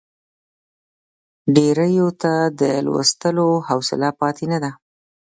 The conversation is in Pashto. ډېریو ته د لوستلو حوصله پاتې نه ده.